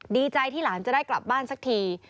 ดีใจที่หลานจะได้กลับบ้านสักที